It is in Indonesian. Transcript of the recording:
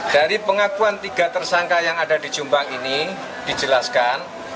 dari pengakuan tiga tersangka yang ada di jombang ini dijelaskan